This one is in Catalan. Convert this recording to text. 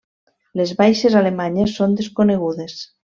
Les baixes alemanyes són desconegudes.